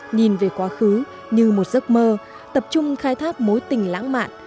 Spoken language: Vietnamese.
nhìn về quá khứ như một giấc mơ tập trung khai thác mối tình lãng mạn